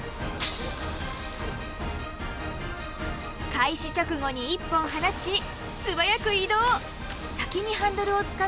開始直後に１本放ち素早く移動。